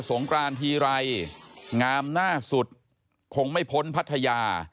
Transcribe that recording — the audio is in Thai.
งกรานทีไรงามหน้าสุดคงไม่พ้นพัทยา